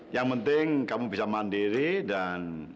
yang penting kamu bisa mandiri dan